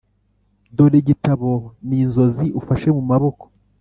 dore igitabo ninzozi ufashe mumaboko